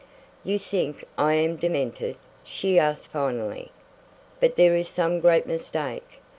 "You think I am demented," she asked finally. "But there is some great mistake.